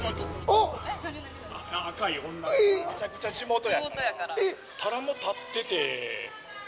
むちゃくちゃ地元やから。